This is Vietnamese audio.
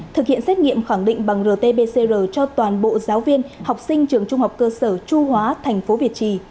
thực hiện xét nghiệm khẳng định bằng rt pcr cho toàn bộ giáo viên học sinh trường trung học cơ sở chu hóa thành phố việt trì